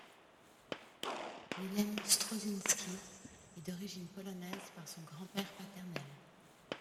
Mylène Troszczynski est d'origine polonaise par son grand-père paternel.